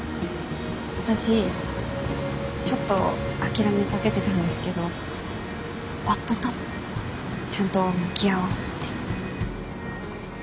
私ちょっと諦めかけてたんですけど夫とちゃんと向き合おうって。